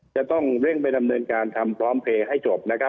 จะต้องเร่งไปดำเนินการทำพร้อมเพลย์ให้จบนะครับ